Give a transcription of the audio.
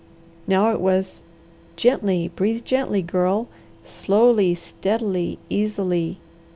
Now it was, "Gently, breathe gently, Girl! Slowly, steadily, easily!